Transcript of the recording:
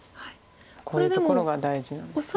こういうところが大事なんです。